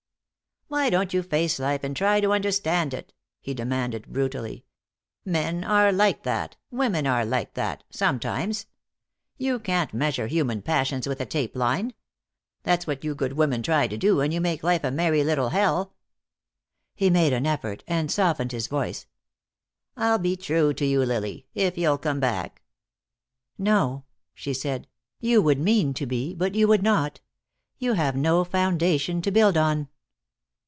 "Why don't you face life and try to understand it?" he demanded, brutally. "Men are like that. Women are like that sometimes. You can't measure human passions with a tape line. That's what you good women try to do, and you make life a merry little hell." He made an effort, and softened his voice. "I'll be true to you, Lily, if you'll come back." "No," she said, "you would mean to be, but you would not. You have no foundation to build on."